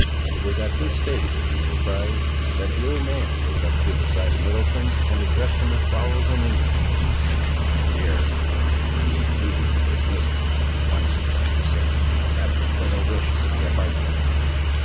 It was at this stage of the enterprise, that the old man rode up to the side of Middleton, and addressed him as follows in English— "Here is likely to be a thieving business, and one in which I must say I have but little wish to be a partner."